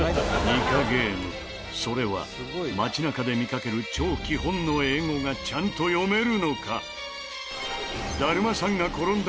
ニカゲームそれは街中で見かける超基本の英語がちゃんと読めるのか。